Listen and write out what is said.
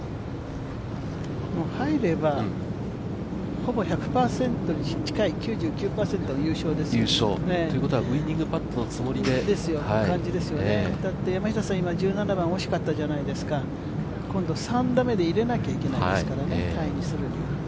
入ればほぼ１００％に近い９９％優勝ですよ。ということはウイニングパットのつもりでだって山下さん、今の１７番、惜しかったじゃないですか今度３打目で入れなきゃいけないですからね、タイにするには。